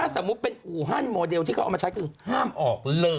สมมุติเป็นอู่ฮั่นโมเดลที่เขาเอามาใช้คือห้ามออกเลย